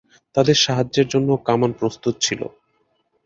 তাদের সাহায্যের জন্য কামান প্রস্তুত ছিল।